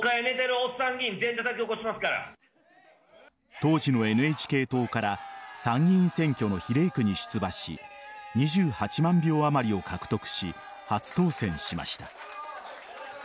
当時のＮＨＫ党から参議院選挙の比例区に出馬し２８万票あまりを獲得し初当選しました。